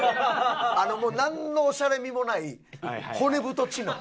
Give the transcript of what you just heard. もうなんのオシャレみもない骨太チノ。